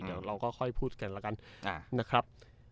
เดี๋ยวเราก็ค่อยพูดกันแล้วกันนะครับ